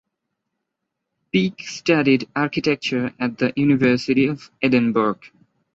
Peake studied architecture at the University of Edinburgh.